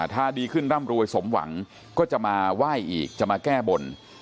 ถ้าดีขึ้นร่ำรวยสมหวังก็จะมาไหว้อีกจะมาแก้บน